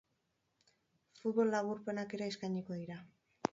Futbol laburpenak ere eskainiko dira.